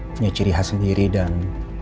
punya ciri khas sendiri dan